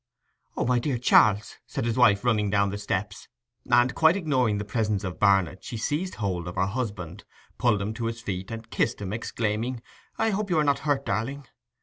'O, my dear Charles!' said his wife, running down the steps; and, quite ignoring the presence of Barnet, she seized hold of her husband, pulled him to his feet, and kissed him, exclaiming, 'I hope you are not hurt, darling!